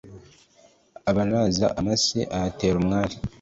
abaraza amase ayatera umwari